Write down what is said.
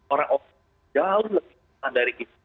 orang orang yang jauh lebih susah dari kita